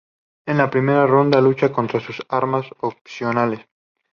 En la primera ronda, luchan con sus armas opcionales.